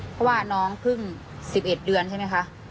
เพราะว่าน้องเพิ่ง๑๑เดือนใช่ไหมคะ